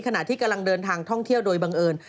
ขณะที่กำลังเดินทางท่องเที่ยวโดยบังเอิญ